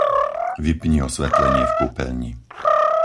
Vypni osvetlenie v kúpeľni.